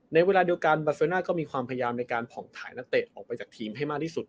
เวลาเดียวกันบาเซอร์น่าก็มีความพยายามในการผ่องถ่ายนักเตะออกไปจากทีมให้มากที่สุด